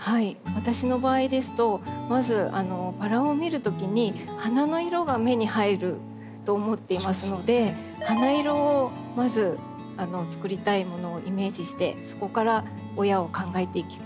私の場合ですとまずバラを見るときに花の色が目に入ると思っていますので花色をまずつくりたいものをイメージしてそこから親を考えていきます。